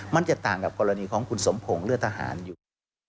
มันจะต่างกับกรณีของคุณสมพงศ์เลือดทหารอยู่